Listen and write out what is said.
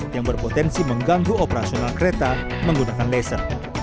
yang berpotensi mengganggu operasional kereta menggunakan laser